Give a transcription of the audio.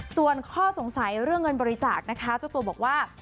ส่วนข้อสงสัยเรื่องเงินบริจาคนะคะเจ้าตัวบอกว่า